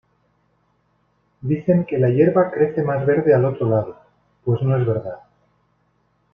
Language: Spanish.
Dicen que la hierba crece más verde al otro lado… pues no es verdad.